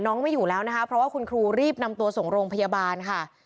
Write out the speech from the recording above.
ไม่อยู่แล้วนะคะเพราะว่าคุณครูรีบนำตัวส่งโรงพยาบาลค่ะ